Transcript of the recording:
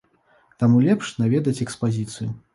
Таму лепш наведаць экспазіцыю.